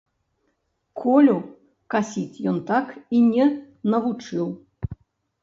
Колю касіць ён так і не навучыў.